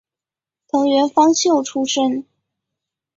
藤原芳秀出身。